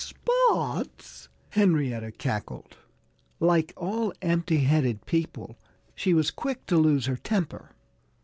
"Spots!" Henrietta cackled. Like all empty headed people, she was quick to lose her temper.